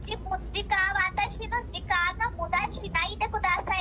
私の時間のむだ、しないでください。